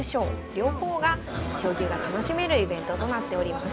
両方が将棋が楽しめるイベントとなっておりました。